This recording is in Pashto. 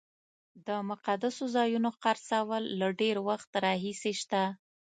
د مقدسو ځایونو خرڅول له ډېر وخت راهیسې شته.